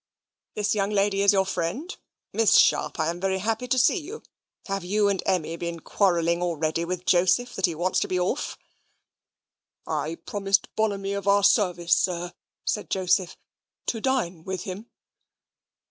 "This young lady is your friend? Miss Sharp, I am very happy to see you. Have you and Emmy been quarrelling already with Joseph, that he wants to be off?" "I promised Bonamy of our service, sir," said Joseph, "to dine with him."